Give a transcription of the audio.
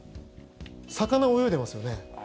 魚、泳いでますよね。